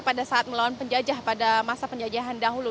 pada saat melawan penjajah pada masa penjajahan dahulu